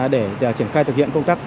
để triển khai thực hiện công tác